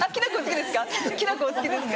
きな粉お好きですか？